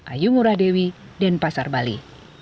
ayu murah dewi denpasar bali